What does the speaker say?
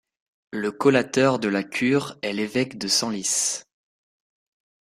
Le collateur de la cure est l'évêque de Senlis.